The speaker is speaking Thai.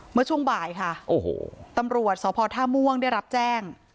เมื่อช่วงบ่ายค่ะโอ้โหตำรวจสพท่าม่วงได้รับแจ้ง